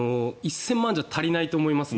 １０００万じゃ足りないと思いますね。